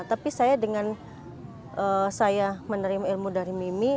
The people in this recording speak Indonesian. tapi saya dengan saya menerima ilmu dari mimi